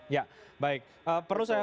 ya baik perlu saya